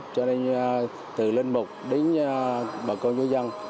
cho nên từ lên mục đến bà con giáo dân